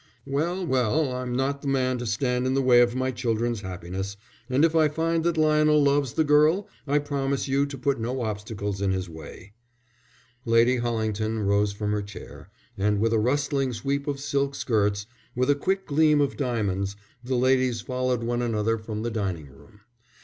"Well, well, I'm not the man to stand in the way of my children's happiness, and if I find that Lionel loves the girl, I promise you to put no obstacle in his way." Lady Hollington rose from her chair, and with a rustling sweep of silk skirts, with a quick gleam of diamonds, the ladies followed one another from the dining room.